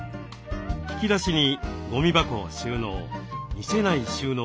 引き出しにゴミ箱を収納。